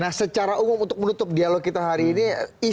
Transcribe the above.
nah secara umum untuk menutup dialog kita hari ini